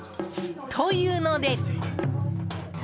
というので。